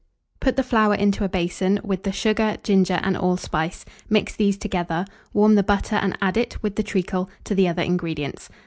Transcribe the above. Put the flour into a basin, with the sugar, ginger, and allspice; mix these together; warm the butter, and add it, with the treacle, to the other ingredients.